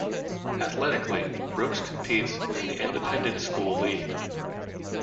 Athletically, Brooks competes in the Independent School League.